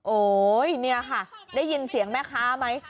โอ๊ยเนี่ยค่ะได้ยินเสียงแม่ค้าไหม